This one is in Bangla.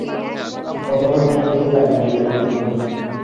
কখনো ভাবতেই পারিনি এমনটা ঘটবে।